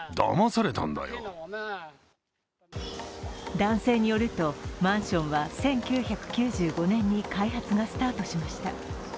男性によると、マンションは１９９５年に開発がスタートしました。